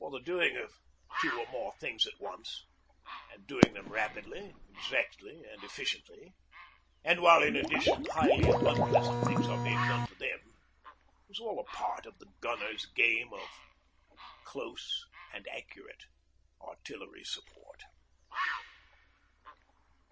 For the doing of two or more things at once, and doing them rapidly, exactly, and efficiently, the while in addition highly unpleasant things are being done to them, is all a part of the Gunners' game of 'close and accurate artillery support.'